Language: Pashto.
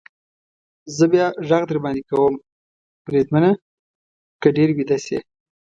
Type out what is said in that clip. زه بیا غږ در باندې کوم، بریدمنه، که ډېر ویده شې.